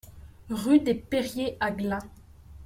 Rue des Perriers à Glun